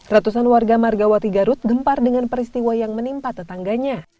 ratusan warga margawati garut gempar dengan peristiwa yang menimpa tetangganya